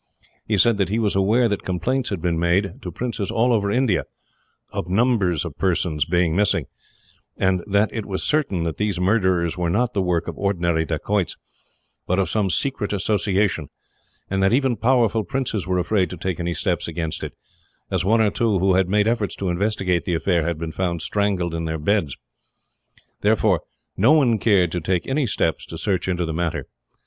He said that he was aware that complaints had been made, to princes all over India, of numbers of persons being missing; and that it was certain that these murders were not the work of ordinary dacoits, but of some secret association; and that even powerful princes were afraid to take any steps against it, as one or two, who had made efforts to investigate the affair, had been found strangled in their beds. Therefore, no one cared to take any steps to search into the matter.